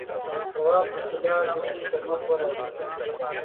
تواب د طلا ټوټې پر مخ ورغلې.